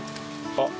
あっ。